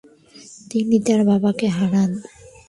তিনি তার বাবাকে হারান।